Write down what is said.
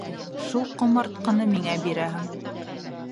Шул ҡомартҡыны миңә бирәһең.